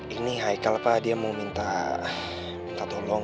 ini haikal pak dia mau minta tolong